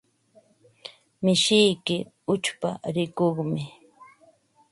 Mishiyki uchpa rikuqmi.